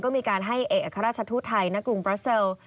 ก็มีการให้เอกราชธุไทยณกรุงปรัสเซิล